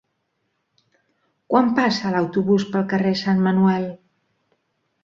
Quan passa l'autobús pel carrer Sant Manuel?